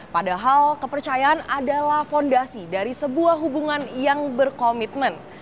padahal kepercayaan adalah fondasi dari sebuah hubungan yang berkomitmen